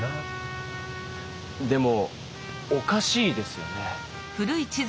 でもおかしいですよね。